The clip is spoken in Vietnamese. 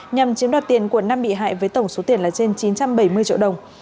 nhằm chiếm đoạt tiền của năm bị hại với tổng số tiền là trên chín trăm bảy mươi triệu đồng